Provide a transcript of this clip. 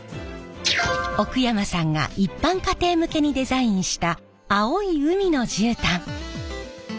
奥山さんが一般家庭向けにデザインした青い海の絨毯。